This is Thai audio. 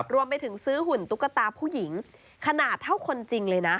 รวมไปถึงซื้อหุ่นตุ๊กตาผู้หญิงขนาดเท่าคนจริงเลยนะ